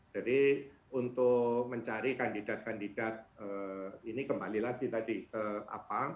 untuk mencari kandidat kandidat ini kembali lagi tadi ke apa